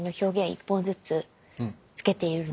１本ずつつけている。